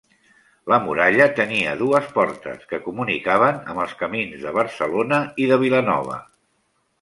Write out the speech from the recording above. La muralla tenia dues portes, que comunicaven amb els camins de Barcelona i de Vilanova.